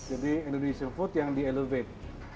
jadi indonesian food yang di elevate